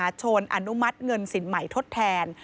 ประกันภัยจำกัดมหาชนอนุมัติเงินสินใหม่ทดแทน